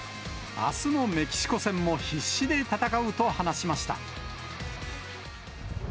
あすのメキシコ戦も必死で戦うと話しました。